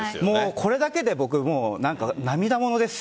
これだけで僕涙ものです。